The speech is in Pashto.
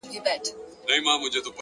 صبر د لوړو موخو تکیه ده.!